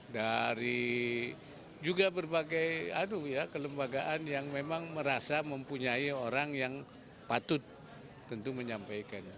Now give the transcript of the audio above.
dari juga berbagai kelembagaan yang memang merasa mempunyai orang yang patut tentu menyampaikan